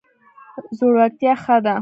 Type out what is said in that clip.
زړورتیا ښه ده.